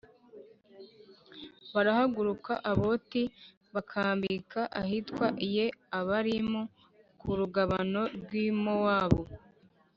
Bahaguruka Oboti bakambika ahitwa Iye Abarimu ku rugabano rw i Mowabu